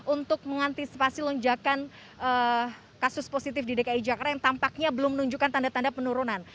untuk mengantisipasi lonjakan kasus positif di dki jakarta yang tampaknya belum menunjukkan tanda tanda penurunan